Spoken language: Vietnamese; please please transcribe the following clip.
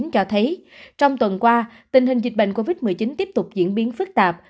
cho thấy trong tuần qua tình hình dịch bệnh covid một mươi chín tiếp tục diễn biến phức tạp